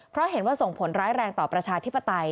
เพราะเห็นว่าส่งผลร้ายแรงต่อประชาธิปไตย